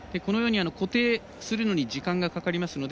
固定するのに時間がかかりますので